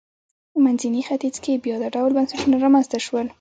منځني ختیځ کې بیا دا ډول بنسټونه رامنځته شول.